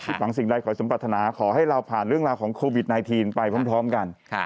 หวังสิ่งใดขอสมปรัฐนาขอให้เราผ่านเรื่องราวของโควิด๑๙ไปพร้อมกัน